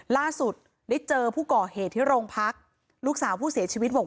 ล่าสุดได้เจอผู้ก่อเหตุที่โรงพักลูกสาวผู้เสียชีวิตบอก